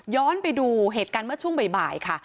ไปดูเหตุการณ์เมื่อช่วงบ่ายค่ะ